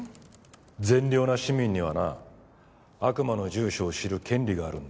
善良な市民にはな悪魔の住所を知る権利があるんだよ。